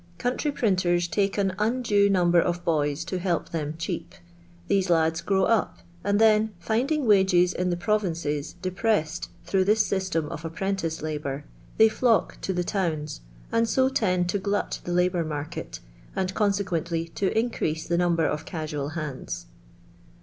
Country printers take an undue number of boys to help them cheap ; these ladi grow up, and then, finding wages in the provinces depressed thritugh this system of apprentice labour, they flock to the towns, and so tend to glut the labour market, and consequently to in crease the number of casual hands.